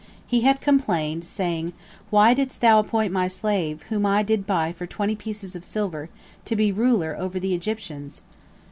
He had complained, saying, "Why didst thou appoint my slave, whom I did buy for twenty pieces of silver, to be ruler over the Egyptians?"